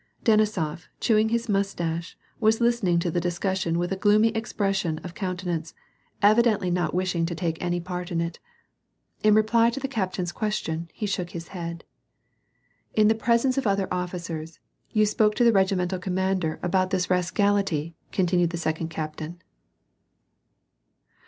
" Denisof, chewing his mustache, was listening to the discus sion with a gloomy expression of eounteimneo^ evidently not 158 ^'^^ A^J> PEACE. wishing to take any part in iL In reply to the captain's ques tion, he shook his head. " In the presence of other officers, you spoke to the regi mental commander about this rascality, continued the second captain.